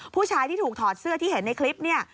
ผู้ชายที่ถูกถอดเสื้อที่เห็นในคลิปเนี่ย